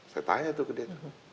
saya tanya tuh ke dia itu